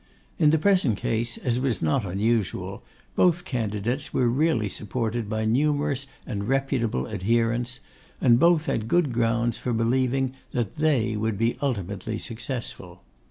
In the present case, as was not unusual, both candidates were really supported by numerous and reputable adherents; and both had good grounds for believing that they would be ultimately successful.